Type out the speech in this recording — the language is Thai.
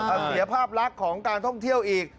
เอาเสียภาพลักษณ์ของการท่องเที่ยวอีก